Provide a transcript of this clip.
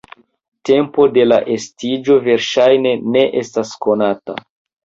Tempo de la estiĝo verŝajne ne estas konata.